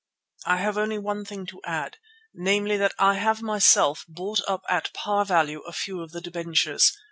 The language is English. I have only one thing to add, namely that I have myself bought up at par value a few of the debentures.